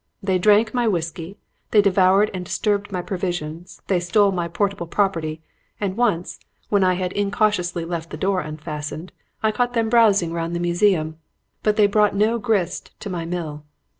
They drank my whiskey, they devoured and distributed my provisions, they stole my portable property, and once, when I had incautiously left the door unfastened, I caught them browsing round the museum; but they brought no grist to my mill.